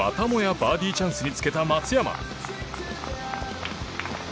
バーディーチャンスにつけた松山。